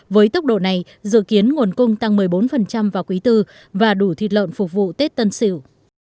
với tốc độ này dự kiến nguồn cung tăng một mươi bốn vào quý tư và đủ thịt lợn phục vụ tết tân sự